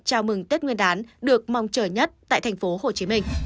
chào mừng tết nguyên đán được mong chờ nhất tại tp hcm